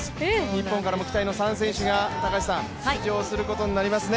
日本からも期待の３選手が出場することになりますね。